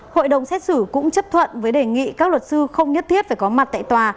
hội đồng xét xử cũng chấp thuận với đề nghị các luật sư không nhất thiết phải có mặt tại tòa